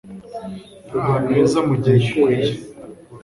Yari ahantu heza mugihe gikwiye.